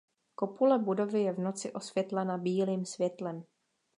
Kopule budovy je v noci osvětlena bílým světlem.